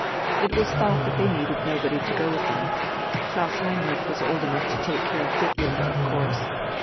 It was thought that they needed nobody to go with them; Klaus Heinrich was old enough to take care of Ditlinde, of course.